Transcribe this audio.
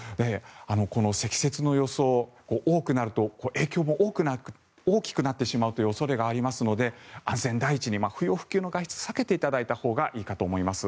積雪の予想、多くなると影響も大きくなってしまうという恐れがありますので安全第一に不要不急の外出を避けていただいたほうがいいかと思います。